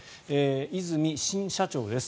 和泉新社長です。